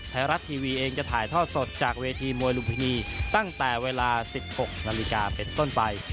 ไทยรัฐทีวีเองจะถ่ายทอดสดจากเวทีมวยลุมพินีตั้งแต่เวลา๑๖นาฬิกาเป็นต้นไป